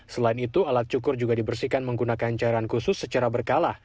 selain itu alat cukur juga dibersihkan menggunakan cairan khusus secara berkala